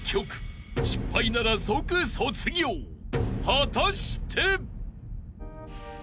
［果たして］